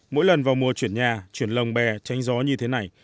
mỗi lần vào mùa chuyển nhà chuyển lồng bè tránh gió như thế này